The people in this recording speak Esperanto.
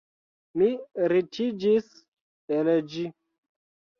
Mi riĉiĝis el ĝi.